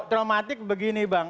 traumatik begini bang